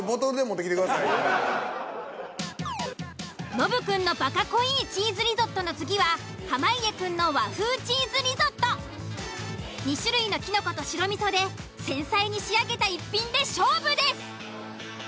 ノブくんのバカ濃いぃチーズリゾットの次は濱家くんの２種類のキノコと白味噌で繊細に仕上げた一品で勝負です。